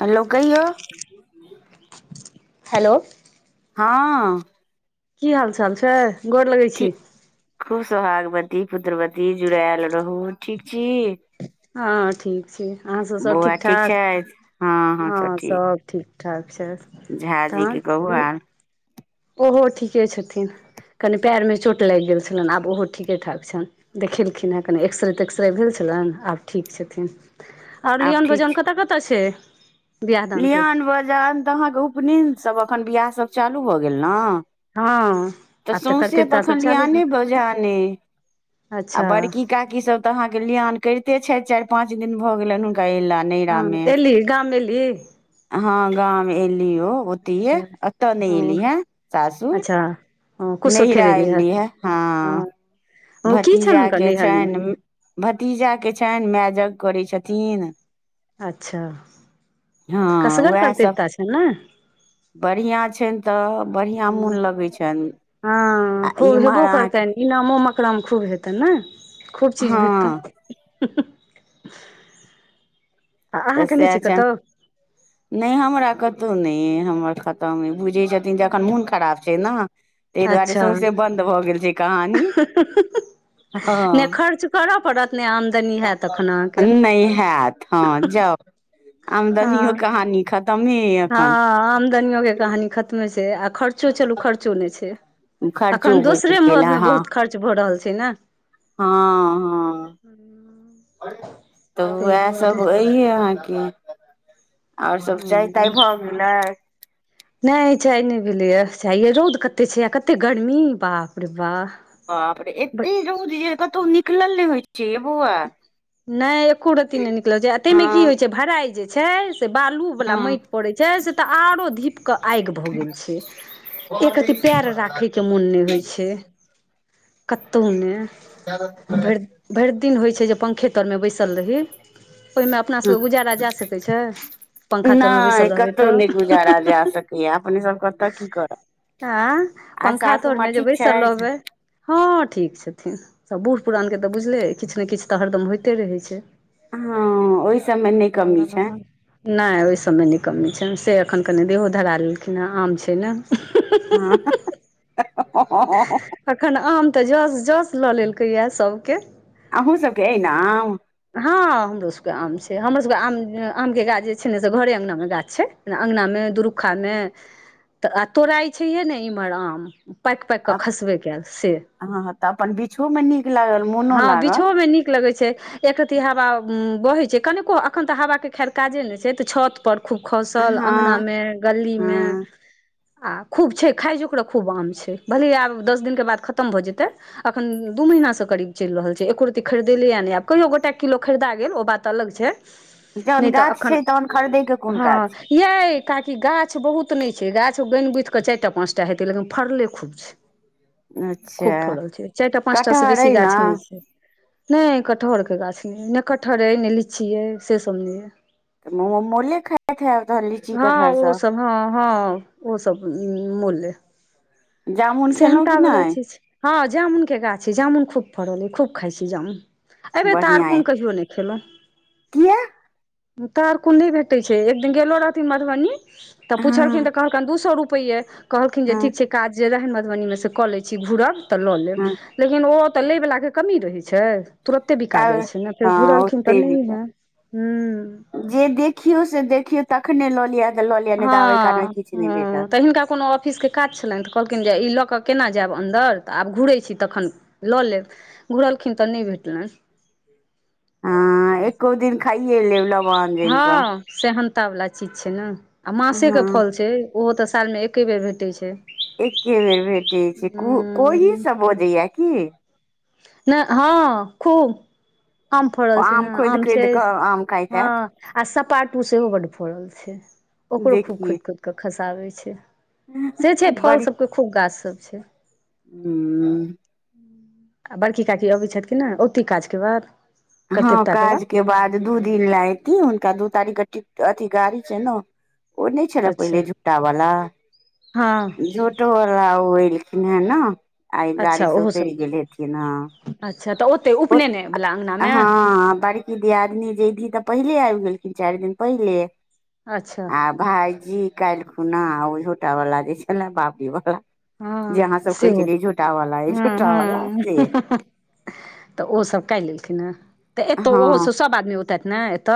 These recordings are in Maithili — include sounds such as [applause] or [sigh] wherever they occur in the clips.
हेलो कहियौ हेलो हँ की हाल चाल छै गोर लगै ठी छी खूब सोहागवती पुत्रवती जुड़ायल रहू ठीक छी हँ ठीक छै अहाँ सभ सब बौआ ठीक ठाक छथि हँ हँ हँं सब ठीक ठाक छैथ झा जीे के कहू आ ओहो ठीके छथिन कनि पैर मे चोट लागि गेल छलनि आब ओहो ठीके ठाक छन देखेलखिन हेँ कनि एक्सरे तेक्सरे भेल छलनि आब ठीक छथिन आओर आब लियन भोजन कतय कतय छै बियाह दानके लियन बजान त अहाँ के उपनयन सब एखन बियाह सब चालू भ गेल न हँ त आब तऽ सौसे कर्तव्यता सब तखन चालू भेल लिआने बजाने आ अच्छा बड़की काकी सब त अहाँ के लियान करिते छथि चारि पाँच दिन भ गेलनि हुनका अयला हँ एली गाम एली हँ गाँव मे एलीयो ओतिये अच्छा एत नहि ओ एली ये सासुर अच्छा ओ नैहरा कुशोथेर एली एयली हे हँ ओ की छनि हुनकर भतीजाके नैहरमे छैन भतीजाके छैन माय जग करै छथिन अच्छाऽ हँ कसगर उएह सब करतैवता छन ने बढ़िआँ छैन तऽ बढ़िआँ मोन लगै छैन हा खू हेबो करतैन इनामो मकरामे खूब हेतैन ने खूब चीज भेटतैन हँ [inaudible] त सेह छैन ने हमरा कतौ नै हमर खतम कर बुझै जखन मोन खराब छै ने तै दुआरे अच्छा सौसे बंन्द भऽ गेल छै कहानी [inaudible] नहि हँ खर्च करय पड़त नहि आमदनी हैत तखन अहाँके नै हेअत हँ जाउ आमदनियो हँ कहानी खतमे अइ हँ एखन आमदनियो के कहानी खतमे छै आ खर्च चलू खर्चो ने छे खर्चो अखन बचि दोसरे गेल मदमे बहुत खर्च भ रहल छै न हाॅं हाॅं [inaudible] त ताहि उएह दुआरे सब अयहे अहाँ के अओर सब जाय ताय भ गेलै ने चाय नै भेले या चाय ये रौद कते छे आ कते गर्मी बाप रे बा बाप रे एते रौद जे कतौ निकलल नै होइ छै मैं बौआ नै एको रती नै निकल छे आ तै हँ मे की होइ छे भराई जे छे से बालू बला हँ मैट पडे छै से त आरो धीप के आयग भ गेल छै एक रति पैर राखे के मुन ने होइ छे कतो नै जया दा [inaudible] भैर दिन होइ छे जे पंखे तर मे बैसल रही ओय मे अपना सभ के गुजारा जा सकै छै पंखा तरमे नै बैसल रहबै कतो तऽ नै गुजारा जाय सकेय अपने सब कतऽ की करब आ आ पंखा सासू तर माँ मे जे ठीक बैसल छथि रहबे हा ठिक छथिन सभ बूढ़ पुरान के त बुझलेै किछ नै किछ त हरदम होइते रहे छै हँ ओहि सबमे नहि कमी छनि [inaudible] नै ओहि सभ मे ने कमी छैन से एखन कनि देहो धरा लेलखिन हा आम छे न हा [unintelligible] अखन आम त जस जस ल लेलके यए सभ के अहूँ सबके ऐना आम हा हमरो सभ के आम छै हमरो सबके आम आमके गाछ जे छे ने से घरे अंगना मे गाछी छै ना अगना मे दुरूखा मे त आ तोराइ छैहे ने इम्हर आम पायक पायक के खसबे केयल से अ हॅं हॅं त अपन बीछो में नीक लागल मोनो हँ लागल बिछहो मे नीक लगे छै एक रत्ती हवा बहे छै कनिको अखन त हवाके खैर काजे नै छे त छत पर खूब खसल अंगना हँ में गली मे हँ आ खूब छै खाय जो खूब आम छै भले आब दस दिन के बाद ख तम भ जेते अखन दू महिना से करीब चैल रहल छै एको र खरीदे लै य नै कहियो गोटा किलो खरीदा गेल ओ बात अलग छै जहन नहि तऽ गाछ अखन छै तन खरीदै के कोन हँ काज छै यै काकी गाछ बहुत नै छै गाछ गैन गुथकेँ चारटा पाँचटा हेते लेकिन फड़ले खूब छै [inaudible] खूब अच्छा फड़ल छै चारटा पाँचटा से कटहर बेसी अइ न गाछ नै छै नै कटहर कऽ गाछ नै नै कटहर अइ नै लिची अइ से सब नै ए त ऽ मो मोले खैइत हैब तहन लीची कटहर सब हऽ हऽ ओ सब मोले जामुन खेलौं कि सेहनता वला नहि चीज हऽ जामुन केँ गाछ छै जामुन खूब फड़ल अय खूब खायई छै जामुन एबे तऽ तारकुन कहियो नै खेलो किए तारकुन नै भेटै छै एकदिन गेलो रहथिन मधुबनी तऽ पुछलखिन हँ तऽ कह कन दू सौ रुपैए कहलखिन जे हँ ठीक छै काज जे रहनि मधुबनी में से कऽ लै छी घुरब तऽ लऽ हँ लेब लेकिन ओ तऽ लै वला कऽ कमी रहै छै तुरते बिका जाइ तब छैन न फेर हँ घुरलखिन तऽ ओते नै बिका है हु जे देखियो से देखियो तखने लऽ लिय हऽ ह तऽ हिनका कोनो ऑफिस केँ काज छनै तऽ कहलखिन जे ई लऽ कऽ केना जैब अन्दर तऽ आब घुरे छी तखन लऽ लेब घुरलखिन तऽ ने भेटलैन आइ एको दिन खाए लेब लबान जैन कऽ हँ सेहनता वला चीज छै न आ मासे केँ हँ फल छै ओहो तऽ साल में एके बेर भेटै छै एके बेर भेटैय छै कोहि सब बजै यऽ की ना हँ खूब आम फरल छै न खोदि आम खोदि छै कऽ आम खाइत हैत हँ आ सपाटू सेहो बड फड़ल छै ओकरो खूब देखिये खोद खोद क खसाबै छै से छै फल सब कऽ खूब गाछ सब छै हू [unintelligible] आ बड़की काकी अबैत छैथ की ना ओत ई काज कऽ बाद हँ कर्तव्यता के काज केँ बाद दू दिन लै ऐथी हुनका दू तारीख केँ अथी गाड़ी छै न ओ नै छलै अच्छा पहिले झोटावाला हँ [inaudible] झो टो वला ओ एलखिन हे न आ ई गाड़ी अच्छा स ओहो उतैर सब गेल हेथिन हऽ अच्छा तऽ ओते उपनैने वला अंगना में की दीआदनी जैधी तऽ पहिले आइब गेलखिन चाइर दिन पहिले अच्छा भाईजी काइल खुना ओ झोटा वला जे छलैन बाबरीबला जे अहाँ हँ सब कहै सेहो छलियै झोटा वला अइ हँ झोटा वाला अइ हँ से तऽ ओसभ काइल एलखिन है तऽ ऐत ओहो हँ सब सभ आदमी औतैथ न ऐत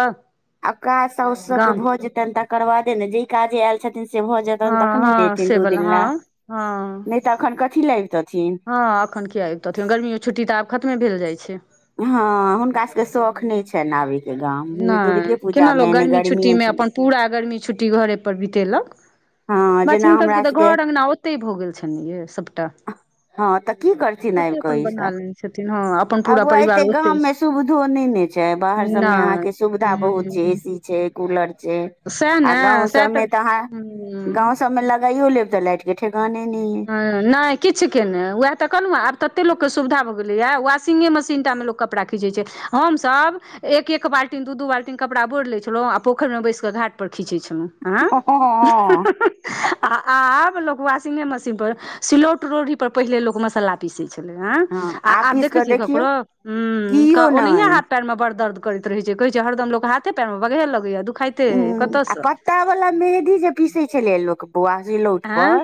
आब काज साउसो सब कऽ भऽ जेतैन तकर बादे ने जे काजे ऐल छ थिन से भऽ हँ जेतैन तखने न हँ एथिन से दू बला दिन हँ लऽ हँ नै तऽ एखन कथी लऽ आइबतथिन हँ एखन किया आबतथिन गमीे छुट्टी तऽ आब खतमे भेल जाइ छै हँ हुनका सभ कऽ शौख नै छैन आबै कऽ गाम नै नहि दुर्गे पूजा केना में लोक नै गर्मी गर्मिए छुट्टीमे अपन पूरा गर्मी छुट्टी घरे पर बितेलक हँ बात छै जेना हुनका सभ हमरा केँ तऽ सबके घर अंगना ओतै भऽ गेल छैन न यै सभटा हँ तऽ की करथिन आइब ओते कऽ अपन बना ईसभ लेने छथिन हऽ आ बौआ ऐते गाम में सुविधो नै न छै बाहर सभ में अहाँकेँ नहि सुविधा बहुत छै ए सी ए ह सी छै कूलर छैे सएह आ ने गाँंव सएह सबमे तऽ अहाँ ह गाँंव सबमे लगाइयो लेब तऽ लाइट के ठेकाने नहि य नय किछ केने ओएह तऽ कहलहुँ आब ततेक लोकके सुविधा भऽ गेलैए वाशिंगे मशीन टामे लोक के कपड़ा खीचै छैै हमसब एक एक बाल्टी दू दू बाल्टईन कपड़ा बॉयर लै छलहुँ आ पोखर मे बैस क घाट पर खीचै छलहो आँ अइ हँ [unintelligible] आ आब लोक वाशिंगे मशीन पर सिलौट लोढ़ी पर पहिले लोक मसाला पीसै छल ह हँ आ आब आपिस देखै कऽ छियै देखियौ ककरो उ कियो ओनिय नहि पैर मे बड दर्द करैत रहै छै कहै छै हरदम लोक हाथे पैर मे बगहे लगैय दुखाइते उम्म कतय आ से पत्ता वाला मेहदी जे पीसै छलै लोक पुआ सीलौट आँ पर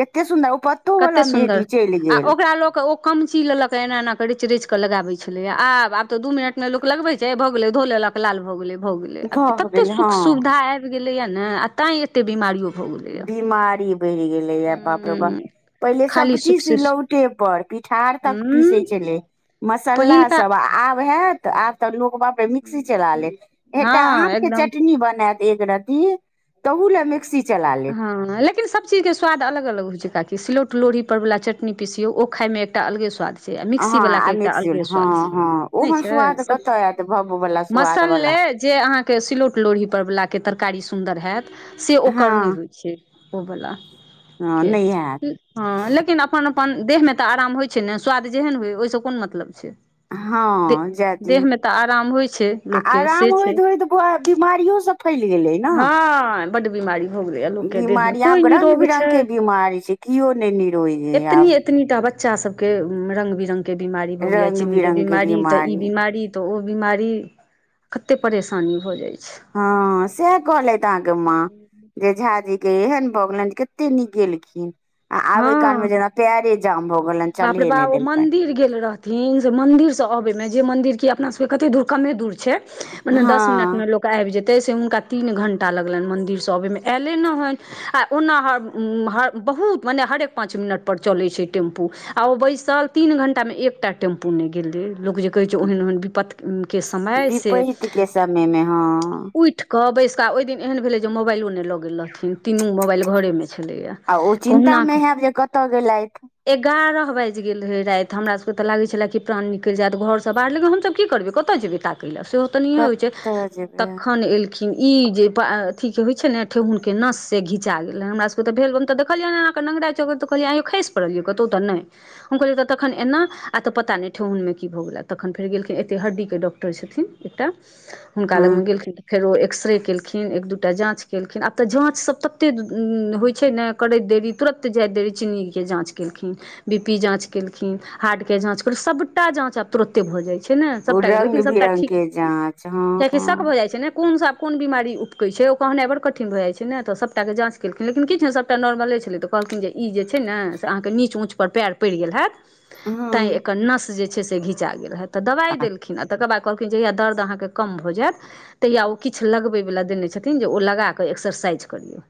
कते सुन्दर ओ पत्तो वाला मेहदी चल गेल ता लोग [unintelligible] कम ची लेलक एना एना करिच रिच कऽ लगाबैय छलैए आब आब तऽ दू मिनट मे लोक लगबैत छै भऽ गेलै धो लेलक तक लाल भऽ गेलै भऽ गेलै आब भऽ ततेक गेल सुख हँ सुविधा आबि गेलैए ने तां एते बीमारियो भऽ गेल बीमारी बढ़ि गेलै य बाप र बाप हूँ पहिले खाली सुख सबचीज से सिलहुटे पर पिठार तक हूँ पीसैत छलै मसाला पहिलका सभ आब हैत त आब तऽ लोगबा पे र मिक्सी चला लेत हँ एकटा आम के एकदम चटनी बनायत एक रती तहुू लए मिक्सी चला लेत हँ लेकिन स सब चीजके स्वाद अलग अलग होइ छै काकि सिलौट लोढ़ी पर वला चटनी पिसियौ ओ खाइ मे एकटा अलगे स्वाद होई छै से आ हँ मिक्सी बलाके आ एकटा मिक्सी अलगे हँ स्वाद छै हँ नहि ओहन छै स्वाद सब कतऽ आयत भब्ब वला स्वाद मसलले वला जे अहाँके सिलौट लोढ़ी परवाला के तरकारी सुन्दर होयत से ओकर हँ नय होइ छै ओ बला हँ के नहि हैत हँ लेकिन अपन अपन देह मे तऽ आराम होइ छै ने स्वाद जेहन होइ ओहिसँ कोन मतलब छै, दे हँ जाय देह दियौ मे तऽ आराम होइ छै लोक के से छै। हँ बीमारियो सब फैल गेलै ने हँ बड बीमारी भग गेल लोक के देह मे बिमारी कोई आब रंग नीरोग छै, बिरंग के बिमारी छै केओ नहि निरोइ छै एतनी आब एत कतनी टा बच्चा सबके रंग बिरंगग के बीमारी भऽ गेलै रंग चिन्नी के बिरंग बीमारी तऽ ई बिमारी बीमारी तऽ ओ बिमारी कतेक परेशानी भऽ जाइ छै हँ सेह कलेत अहा के मा जे झााजी केहन भ गलन कते निक गेलखिन आ आबे काल हँ मे जेना पैरे जाम भ गेलनि चलिये नय देलकनि गिर गेल रह मंदिर से अबे में जे मंदिर की अपना सब के कते दूर कमे दूर छै मने दस मिनट में हँ लोक आबि जेतै से हुनका तीन घण्टा लगलनि मन्दिर सब ओहिमे आयलै नय हनि आ ओना ह ह बहुत मने हरेक पांच मिनट पर चले छै टेम्पू आ ओ बैसल तीन घंटा मे एकटा टेम्पू नय गेलै लोक जे कहै छै ओहन ओहन विपत के समय से विपैत के समय मे हँ उठ कहऽ बैस कऽ ओहि दिन एहन भेलै जे मोबाइलो नय लऽ गेल रहथिन तीनू मोबाइल घरे मे छलैया। आ ओ चिन्ता कहुना कऽ मे होयब जे कतऽ गेलथि। एगारह बाजि गेल रहे राति हमर सभ के तऽ लागै छले कि प्राण निकलि जायत घरसँ बाहर लेकिन हमसभ की करबै कतय जेयबै ताकेए ल सेहो तऽ नय होइ छै कतऽ जेबै तखन एल खिन ई जे अथी के होय छै ने ठेहुन के नस से घिचा गेले हमरा सब के त भेल तऽ कहलिय [unintelligible] तऽ कहलियै य खैस पड़लियै कतो तऽ नय हम कहलिय तखन एना आ तऽ पता नय ठेहुन मे की भऽ गेल तखन फेर गेलखिन एत हड्डी के डक्टर छथिन एकटा हुनका हँ लग मे गेलखिन फेर ओ एक्स रे केलखिन एक दूटा जाँच केलखिन आब तऽ जाँच सब ततेक होइ छै न करैत देरी तुरन्त जाइत देरी चिन्नीके जाँच केलखिन बी पी जाँच केलखिन हार्टके जाँच सभटा जाँच अप तुरते भऽ जाय छैना ओ सबटा रंग लेकिन सबटा बिरंग ठीक के जाँच हँ कियाकि सबटा भऽ [unintelligible] जाइ छै कोनसा कोन बीमारी उपकै छै ओ कहनाइ बड़ कठिन भऽ जाइ छै ने तऽ सभटाे जाँच केलखिन लेकिन किछ ने सभ सभटा नॉर्मले छलै तऽ कहलखिन जे ई जे छै ने से अहाँके नीच ऊँचपर पैर पइड़ गेल हैत तैं हँ एकर नस जे छै से घिचा गेल हँ तऽ आ दवाइ देलखिन तकर बाद कहलखिन जहिया दर्द अहाँके कम भऽ जायत तहिया ओ किछ लगबै वाला देने छथिन जे ओ लगा कऽ एक्सरसाइज करियौ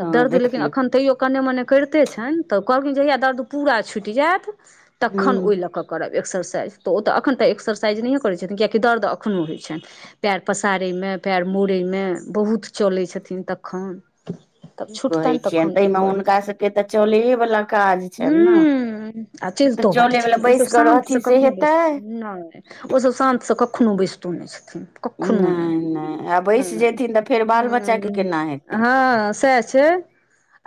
तऽ दर्द लेकिन देखियौ एखन तैयओ कन्ने मने करिते छैन तऽ कहलखिन जहिया दर्द पूरा छुइट जायत तखन हूँ ओय लऽ कऽ करब एक्सरसाइज तऽ ओ तऽ एखन तऽ एक्सरसाइज नहियो करै छथिन कियाकि दर्द एखनो होइतेन छैन पैर पसारय मे पैर मोड़य मे बहुत चलै छथिन तखन तब की छुटतेन कहै छियनि तखन ओ ताहिमे करत हुनका सभके तऽ चलेवला काज हू छनि ने आ तऽ चितो बड चलेवला छथिन बैस ओसभ कऽ शान्त से रहथिन कखनो हेतै बेसथिन नय ओसभ शान्तसँ कखनो बैसतो नय छथिन कखनो नहि नहि आ बैस नय जेथिन तऽ फेर बाल बच्चाके ह केना हेतै हँ सेह छै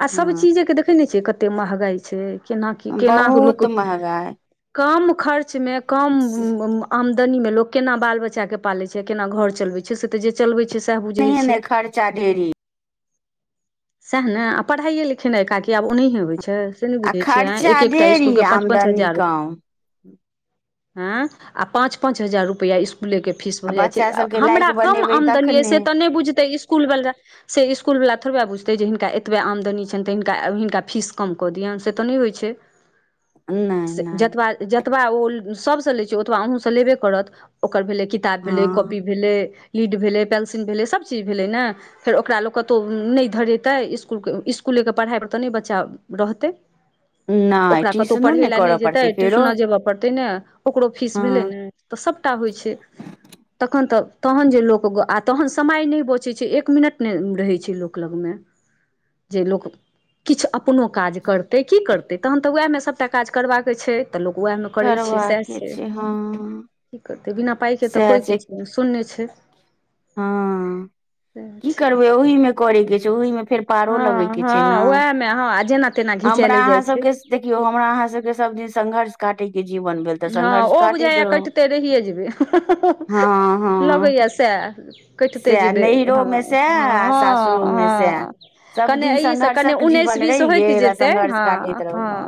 आ सब हँ चीजे के देखेने छी कते महगाई छै केना की केना क लोक बहुत महगाइ कम खर्च मे कम से आमदनी में लोक केना बाल बच्चा के पाले छै केना घर चलवे छै छै से तऽ जे चलबै छै सएह बुझै नहिये छै [unintelligible] सएह ने आ पढ़ायए लिखेनाए काकी आब ओनाहिय होइ छै से नय आ बुझै छियै खर्चा एक एकटा ढेरी इसकुल के पाँच पाँच आमदनी हजार कम आएह पांच पांच हजार रुपआ इसकुले के फीस आ भऽ जाइ छै बच्चा सबके हमरा लायक कम बनेबै आमदनी या तखने से तऽ नय बुझते इसकुल वला से इसकुल वला थोड़बा बुतै जे हिनका एतबा आमदनी छैन तऽ हिनका हिनका फीस कम कऽ दियोन से तऽ नय होइ छै नय जतबा जतबा ओ सभसँ लै छै ओतबा अहूँसँ लेबे करत ओकर भेलै कि ताब भेलै हँ कॉपी भेलै लीड भेलै पेन्सिल भेलै सभ चीज भेलै ने फेर ओकरा लोक कतो नय धरेतै इसकुलके इसकुलेके पढ़ाइमे तऽ नय बच्चा रहतै नहि ओकरा कतहु ट्यूशनो पढ़े नहि लए करऽ नय जेतै पड़तै फेरो ट्यूशना जेबय पड़तै ने ओकरो फीस भेलै हँ ने तऽ सबटा होइ छै तखन तऽ तहन जे लोक आ तहन समय नय बचे छै एक मिनट ने रहे छै लोक लगमे जे लोक किछु अपनो काज करतै की करतै तहन तऽ वएहमे सभटा काज करबाक छै तऽ लोक उएहमे करै छै सएह करबाके छै हँ की करतै बिना पाइके तऽ सएह कोइ छै किछ नय शुन्य छै हँ सएह की छै करबै ओहिमे करेके छै ओहिमे फेर पारो लगै कऽ छै न जै में हँ जेना तेना हमरा घिचायले अहाँ जाइ सब छै केँ देखियौ हमरा अहाँ सब केँ सब दिन संघर्ष काटयके जीवन भेल तऽ [inaudible] हँ संघर्ष ओ काटैत बुझाय रहू कैटते रहिए जेबै हँ [unintelligible] हँ लगैअ सैह कटते सएह जेबै हँ नैहरोमे सएह आ सासुरोमे सएह [unintelligible] सभ कने दिन अ सब कनि संघर्षक उन्नैस जीवन बीस रहि होइत गेल आ जेतै संघर्ष हँ काटैत रहू हँ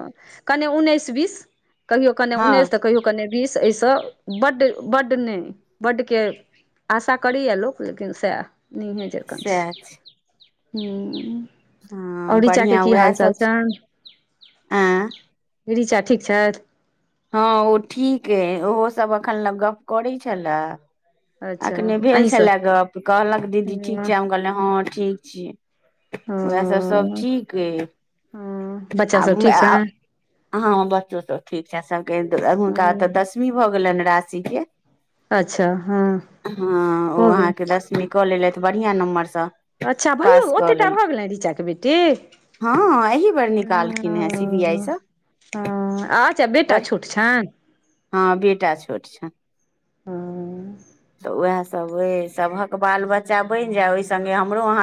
कने उन्नैस बीस कहियो कने उन्नैस हँ तऽ कहियो कने बीस एहि स बड बड नै बड केँ आशा करैए लोक लेकिन सैह नहीए जेका छै [inaudible] और हँ रीचा केँ बढ़िआँ की उएह हाल चाल सभ छै आँय [inaudible] रीचा ठीक छैथ हँ ओ ठीक अइ ओहो सब एखन लग गप करै छलै अच्छा अखने भेल अहींसँ छलै गप कहलक दीदी ठीक हँ छै हम कहियै हऽ ठीक छियै उहै सब सभ हँ ठीक अइ हँ बच्चा सब [unintelligible] ठीक छै हँ बच्चो सभ ठीक छैके हुनका तऽ दस दसमी भऽ गेलैन राशी केँ अच्छा हँ [inaudible] हँ ओ भऽ अहाँ गेलै केँ दस मी कऽ लेलैथ बढ़िया नम्बर स अच्छा भैयो ओते टा भऽ गेलै रीचाे बेटी हँ एहि बेर [inaudible] निकालखिन हेँ सी बी आई सँ [unintelligible] अच्छा बेटा पर छोट छैन हँ बेटा छोट छैन छनि [inaudible] तऽ उहै सब हक बाल बच्चा बैन जै ओइ संगे हमरो अहाँ